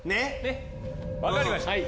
分かりました。